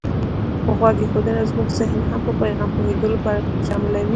خو غوږ ایښودنه زمونږ زهن هم په پیغام د پوهېدو لپاره پکې شاملوي.